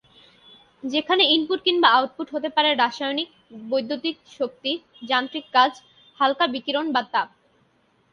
যেখানে ইনপুট কিংবা আউটপুট হতে পারে রাসায়নিক, বৈদ্যুতিক শক্তি, যান্ত্রিক কাজ, হালকা বিকিরণ বা তাপ।